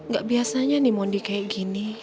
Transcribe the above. gak biasanya nih mondi kayak gini